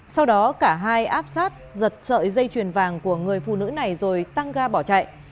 sau đó cả hai áp sát giật sợi dây chuyền vàng của người phụ nữ này rồi tăng ga bỏ chạy